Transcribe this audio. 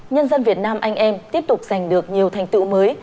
nhân dân việt nam anh em tiếp tục giành được nhiều thành tựu mới